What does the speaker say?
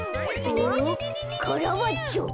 おっカラバッチョ。